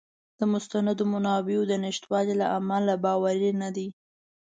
د مستندو منابعو د نشتوالي له امله باوری نه دی.